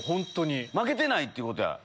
負けてないっていうことや。